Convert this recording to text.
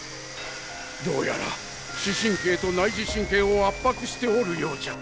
どうやら視神経と内耳神経を圧迫しておるようじゃ。